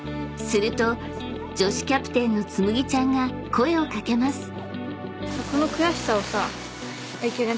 ［すると女子キャプテンのつむぎちゃんが声を掛けます］